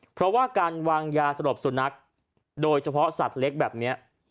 เพราะว่าการวางยาสลบสุนัขโดยเฉพาะสัตว์เล็กแบบนี้